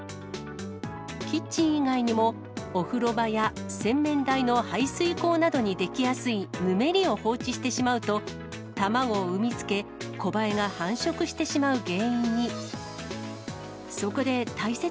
キッチン以外にもお風呂場や洗面台の排水溝などに出来やすいぬめりを放置してしまうと、卵を産みつけ、コバエが繁殖してしまう原因に。